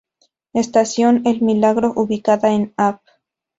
Estación El Milagro: Ubicada en Av.